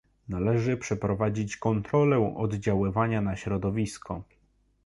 Należy przeprowadzić kontrolę oddziaływania na środowisko